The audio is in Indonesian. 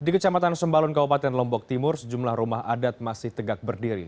di kecamatan sembalun kabupaten lombok timur sejumlah rumah adat masih tegak berdiri